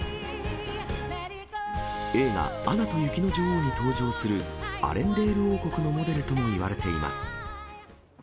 映画、アナと雪の女王に登場するアレンデール王国のモデルともいわれています。